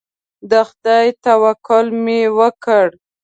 د خدای توکل مې وکړ.